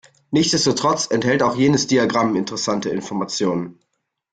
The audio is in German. Nichtsdestotrotz enthält auch jenes Diagramm interessante Informationen.